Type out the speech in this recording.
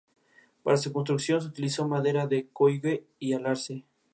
Para su construcción se utilizó madera de coigüe y alerce.